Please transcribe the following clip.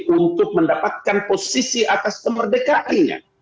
untuk mendapatkan posisi atas kemerdekaannya